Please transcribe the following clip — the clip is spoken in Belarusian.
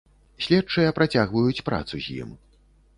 Следчыя працягваюць працу з ім.